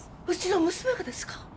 うちの娘がですか？